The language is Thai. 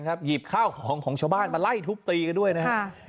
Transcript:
หยิบข้าวของของชาวบ้านมาไล่ทุบตีกันด้วยนะครับ